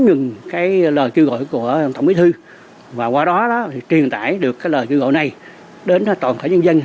nhuận lời kêu gọi của tổng bí thư và qua đó truyền tải được lời kêu gọi này đến toàn thể nhân dân